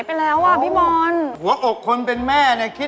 ไม่ปลอดใจน้องคนกำลังเศร้า